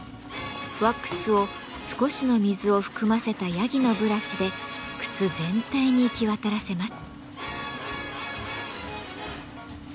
ワックスを少しの水を含ませたヤギのブラシで靴全体に行き渡らせます。